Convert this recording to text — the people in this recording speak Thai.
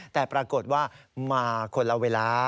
แต่ปรากฏว่ามาคนละเวลา